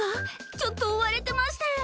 ちょっと追われてまして。